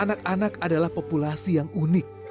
anak anak adalah populasi yang unik